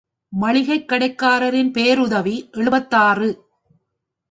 மளிகைக் கடைக்காரரின் பேருதவி எழுபத்தாறு.